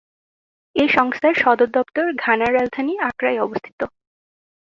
এই সংস্থার সদর দপ্তর ঘানার রাজধানী আক্রায় অবস্থিত।